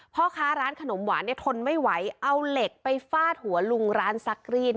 พ่อค้าร้านขนมหวานเนี่ยทนไม่ไหวเอาเหล็กไปฟาดหัวลุงร้านซักรีด